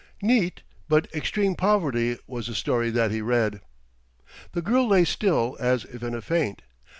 Neat, but extreme poverty was the story that he read. The girl lay still, as if in a faint.